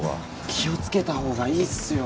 気を付けたほうがいいっすよ。